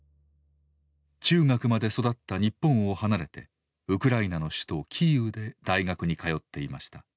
中学まで育った日本を離れてウクライナの首都キーウで大学に通っていました。